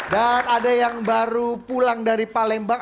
dan ada yang baru pulang dari palembang